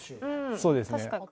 そうですね。